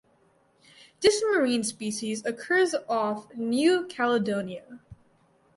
This marine species occurs off New Caledonia.